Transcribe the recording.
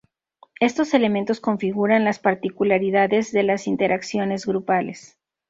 Estos elementos configuran las particularidades de las interacciones grupales.